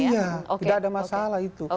iya tidak ada masalah itu